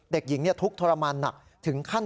เด็กหญิงทุกข์ทรมานหนักถึงขั้น